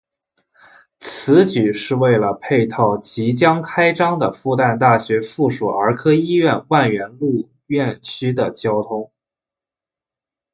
此举是为了配套即将开张的复旦大学附属儿科医院万源路院区的交通。